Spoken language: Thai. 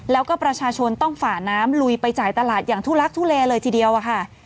แล้วก็ประชาชนต้องฝ่าน้ำลุยไปจ่ายตลาดอย่างทุลักทุเลเลยทีเดียวอะค่ะ